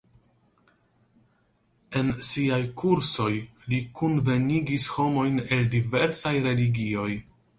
En siaj kursoj li kunvenigis homojn el diversaj religioj.